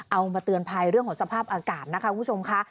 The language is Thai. เอามาเตือนภัยเรื่องของสภาพอากาศนะคะคุณผู้ชมค่ะ